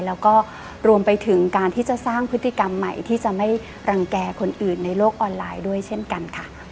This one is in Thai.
แล้วก็รวมไปถึงการที่จะสร้างพฤติกรรมใหม่ที่จะไม่รังแก่คนอื่นในโลกออนไลน์ด้วยเช่นกันค่ะ